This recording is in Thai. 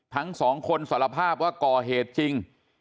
ทั้งสองคนสารภาพว่าก่อเหตุจริง